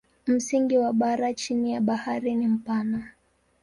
Msingi wa bara chini ya bahari ni mpana.